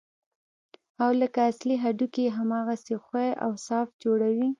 او لکه اصلي هډوکي يې هماغسې ښوى او صاف جوړوي.